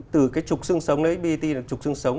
từ cái trục sương sống nơi brt là trục sương sống